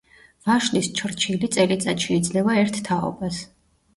ვაშლის ჩრჩილი წელიწადში იძლევა ერთ თაობას.